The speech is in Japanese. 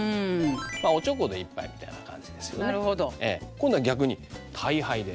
今度は逆に大杯で。